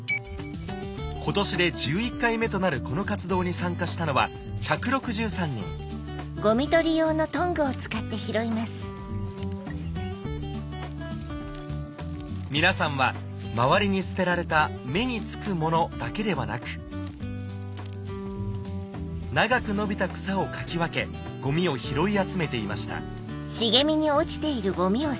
今年で１１回目となるこの活動に参加したのは１６３人皆さんは周りに捨てられた目につくものだけではなく長く伸びた草をかき分けゴミを拾い集めていました